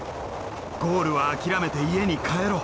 ゴールは諦めて家に帰ろう。